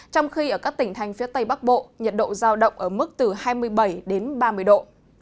trong khi ở các tỉnh thành phía tây bắc bộ nhiệt độ giao động ở mức từ hai mươi bảy đến ba mươi độ